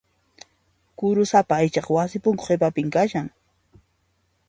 Kurusapa aychaqa wasi punku qhipapi kashan.